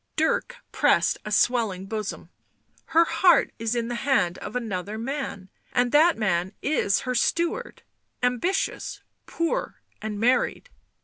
Dirk pressed a swelling bosom. " Her heart is in the hand of another man — and that man is her steward, ambitious, poor and married."